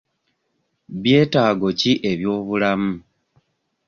Byetaago ki eby'obulamu?